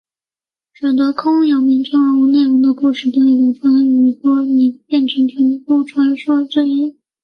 使得空有名称而无内容的故事得以流传于世多年变成都市传说之一。